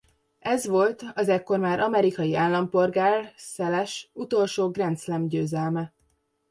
Ez volt az ekkor már amerikai állampolgár Szeles utolsó Grand Slam-győzelme.